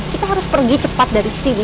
kita harus pergi cepat dari sini